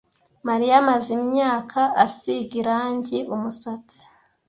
Mariya amaze imyaka asiga irangi umusatsi.